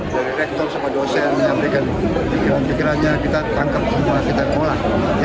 dari rektor sama dosen menyampaikan pikiran pikirannya kita tangkap semua kita kolah